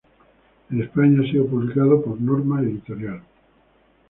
En España ha sido publicado por Norma Editorial.